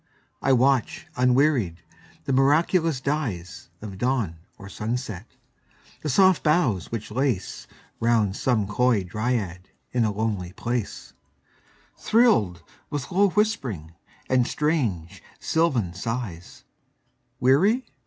I watch, unwearied, the miraculous dyesOf dawn or sunset; the soft boughs which laceRound some coy dryad in a lonely place, Thrilled with low whispering and strange sylvan sighs:Weary?